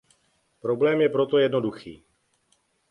Problém je proto jednoduchý.